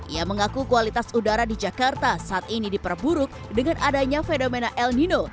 ia mengaku kualitas udara di jakarta saat ini diperburuk dengan adanya fenomena el nino